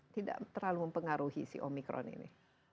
tidak terlalu mempengaruhi si omikron ini